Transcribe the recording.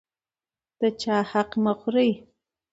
د چا حق مه خورئ.